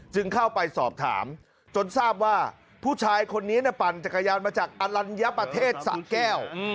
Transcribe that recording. เข้าไปสอบถามจนทราบว่าผู้ชายคนนี้ปั่นจักรยานมาจากอลัญญประเทศสะแก้ว